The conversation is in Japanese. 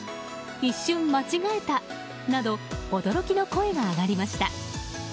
一瞬間違えた！など驚きの声が上がりました。